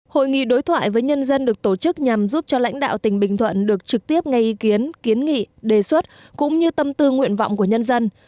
hội nghị đối thoại với nhân dân được tổ chức nhằm giúp cho lãnh đạo tỉnh bình thuận được trực tiếp ngay ý kiến kiến nghị đề xuất cũng như tâm tư nguyện vọng của nhân dân